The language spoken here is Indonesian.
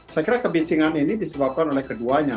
saya kira kebisingan ini disebabkan oleh keduanya